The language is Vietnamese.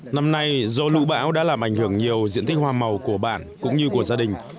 năm nay do lũ bão đã làm ảnh hưởng nhiều diện tích hoa màu của bản cũng như của gia đình